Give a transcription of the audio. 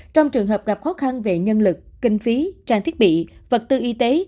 trong trường hợp gặp khó khăn về nhân lực kinh phí trang thiết bị vật tư y tế